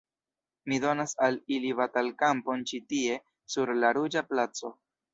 Mi donas al ili batalkampon ĉi tie, sur la Ruĝa Placo.